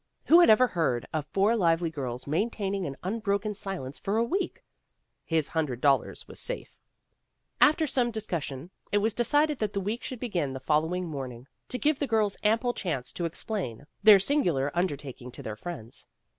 Who had ever heard of four lively girls maintaining an unbroken silence for a week? His hundred dollars was safe. After some discussion it was decided that the week should begin the following morning, to give the girls ample chance to explain their 112 PEGGY RAYMOND'S WAY singular "undertaking to their friends.